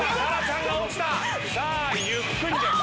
さあゆっくりです。